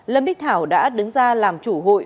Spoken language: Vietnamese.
lâm bích thảo đã đứng ra làm chủ hội